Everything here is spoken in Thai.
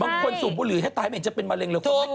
บางคนสูบบุหรี่ให้ตายเหม็นจะเป็นมะเร็งเลย